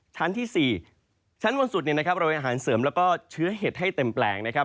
ชั้นที่๔ชั้นบนสุดเนี่ยนะครับโรยอาหารเสริมแล้วก็เชื้อเห็ดให้เต็มแปลงนะครับ